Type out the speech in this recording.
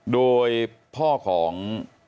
โดยพ่อของ